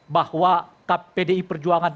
bahwa pdi perjuangan